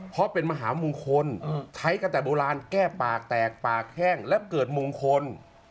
เพราะเป็นมหามงคลใช้กันแต่โบราณแก้ปากแตกปากแห้งและเกิดมงคล